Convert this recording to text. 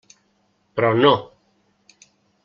Però no!